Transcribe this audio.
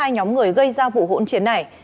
hai nhóm người gây ra vụ hỗn chiến này